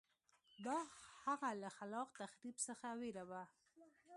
دا هغه له خلاق تخریب څخه وېره وه